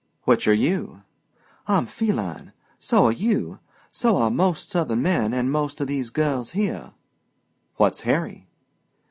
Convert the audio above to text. "Which are you?" "I'm feline. So are you. So are most Southern men an' most of these girls here." "What's Harry?"